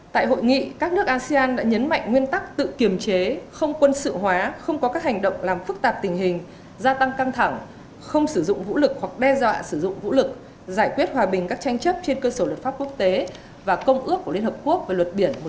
tại hội nghị các nước asean đã nhấn mạnh nguyên tắc tự kiềm chế không quân sự hóa không có các hành động làm phức tạp tình hình gia tăng căng thẳng không sử dụng vũ lực hoặc đe dọa sử dụng vũ lực giải quyết hòa bình các tranh chấp trên cơ sở luật pháp quốc tế và công ước của liên hợp quốc về luật biển một nghìn chín trăm tám mươi hai